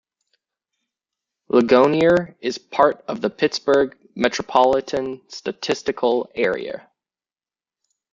Ligonier is part of the Pittsburgh Metropolitan Statistical Area.